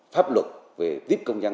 pháp luật về tiếp công dân